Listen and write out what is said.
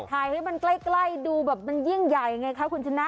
ให้มันใกล้ดูแบบมันยิ่งใหญ่ไงคะคุณชนะ